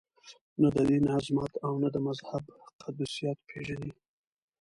نه د دین عظمت او نه د مذهب قدسیت پېژني.